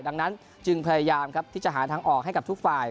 ดังนั้นจึงพยายามครับที่จะหาทางออกให้กับทุกฝ่าย